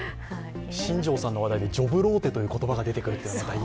新庄さんの話題でジョブローテという言葉が出てくる。